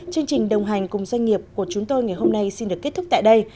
chương trình đồng hành cùng doanh nghiệp của chúng tôi ngày hôm nay xin được kết thúc tại đây